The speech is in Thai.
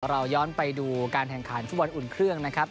เราย้อนไปดูการแข่งขันฟุตบอลอุ่นเครื่องนะครับ